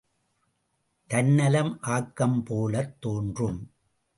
தன்னலம் ஆக்கம் போலத் தோன்றும்.